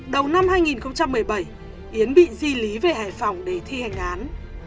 đầu năm hai nghìn một mươi bảy yến bị di lý về hải phòng để thi hành án